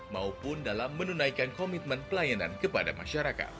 maupun dalam menunaikan komitmen pelayanan kepada masyarakat